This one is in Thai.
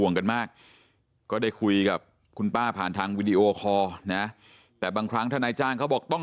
เวลาเขายิงเพราะว่ามันก็อยู่เราอยู่ระหว่างกลางลูกพื้น